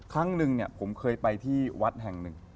ครั้งหนึ่งผมเคยไปที่วัดแห่งหนึ่ง